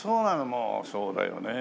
まあそうだよね。